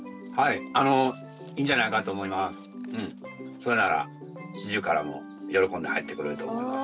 それならシジュウカラも喜んで入ってくれると思います。